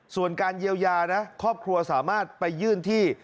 ส่วนการเยียวยานะครอบครัวสามารถไปยื่นที่